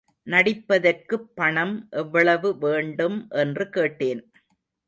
நடிப்பதற்குப் பணம் எவ்வளவு வேண்டும் என்று கேட்டேன்.